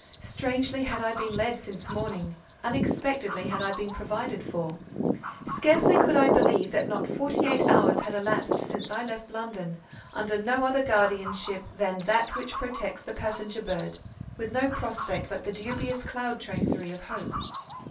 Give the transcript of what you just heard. Strangely had I been led since morning—unexpectedly had I been provided for. Scarcely could I believe that not forty eight hours had elapsed since I left London, under no other guardianship than that which protects the passenger bird—with no prospect but the dubious cloud tracery of hope.